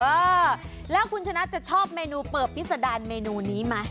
เออแล้วคุณชนะจะชอบเมนูเปิบที่สดานเมนูนี้มั้ย